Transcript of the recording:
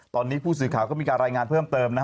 ตอนนี้ผู้สื่อข่าวก็มีการรายงานเพิ่มเติมนะฮะ